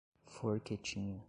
Forquetinha